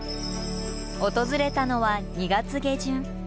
訪れたのは２月下旬。